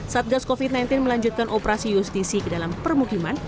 satgas covid sembilan belas melanjutkan operasi justisi ke dalam permukiman